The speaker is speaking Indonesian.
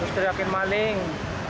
terus teriakir maling